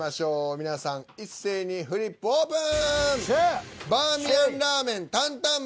皆さん一斉にフリップオープン！